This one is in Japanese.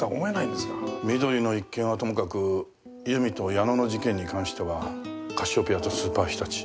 美登里の一件はともかく由美と矢野の事件に関してはカシオペアとスーパーひたち。